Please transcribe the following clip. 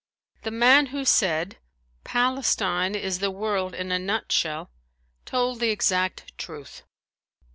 The man who said: "Palestine is the world in a nutshell," told the exact truth.